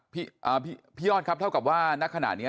พี่อ้อนครับเท่ากับว่านักขณะนี้